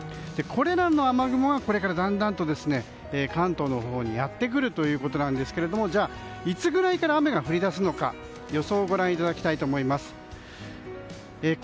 これらの雨雲がこれからだんだんと関東のほうにやってくるということなんですが何時ぐらいから雨が降り出すのか予想をご覧ください。